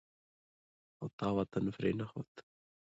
خو تا وطن پرې نه ښود.